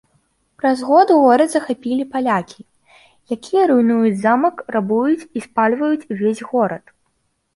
Праз год горад захапілі палякі, якія руйнуюць замак, рабуюць і спальваюць увесь горад.